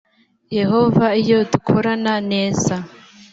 yehova iyo dukorana neza